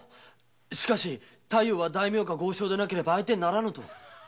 しかし太夫は大名か豪商でなければダメだと。